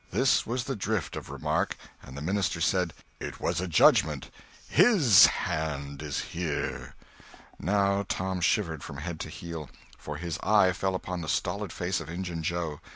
This was the drift of remark; and the minister said, "It was a judgment; His hand is here." Now Tom shivered from head to heel; for his eye fell upon the stolid face of Injun Joe.